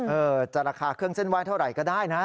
จะราคาเครื่องเส้นไหว้เท่าไหร่ก็ได้นะ